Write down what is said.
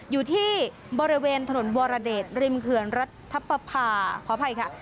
อยู่ที่บริเวณถนนวรเดชดริมเขื่อนรัชพรรภา